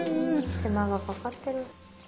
手間がかかってる。